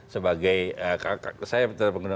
sebagai kakak saya terpengen